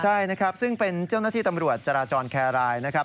ใช่นะครับซึ่งเป็นเจ้าหน้าที่ตำรวจจราจรแครรายนะครับ